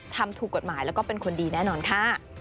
ทำถูกกฎหมายแล้วก็เป็นคนดีแน่นอนค่ะ